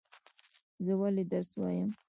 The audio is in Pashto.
زه ولی درس وایم؟